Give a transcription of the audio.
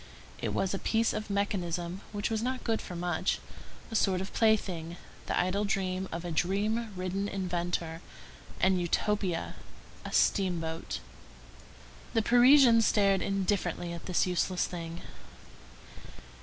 it was a piece of mechanism which was not good for much; a sort of plaything, the idle dream of a dream ridden inventor; an utopia—a steamboat. The Parisians stared indifferently at this useless thing.